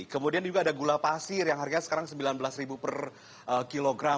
kemudian juga ada gula pasir yang harganya sekarang sembilan belas per kilogram